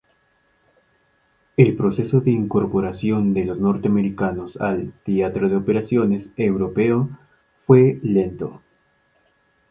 El proceso de incorporación de los norteamericanos al "Teatro de Operaciones Europeo" fue lento.